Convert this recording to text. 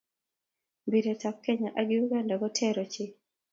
Mpiret ab kenya ak Uganda koter ochei